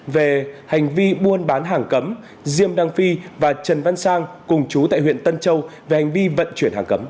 về hành vi buôn bán hàng cấm diêm đăng phi và trần văn sang cùng chú tại huyện tân châu về hành vi vận chuyển hàng cấm